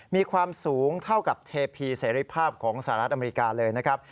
มีความสูงเท่ากับเทพีเสรีภาพของสหรัฐอเมริกาเลยนะครับ